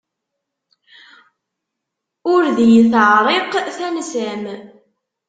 Ur d iyi-teɛṛiq tansa-m.